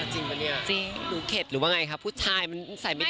หนูเข็ดหรือแต่เฟื่อนฝ่ายจะส่ายไม่ดี